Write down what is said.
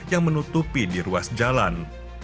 yang menutupi di ruas jalan